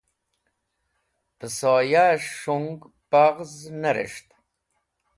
Pẽsoyas̃h s̃hung paghz ne reshta?